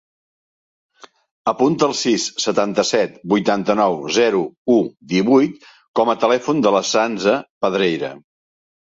Apunta el sis, setanta-set, vuitanta-nou, zero, u, divuit com a telèfon de la Sança Pedreira.